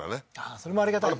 それもありがたいですね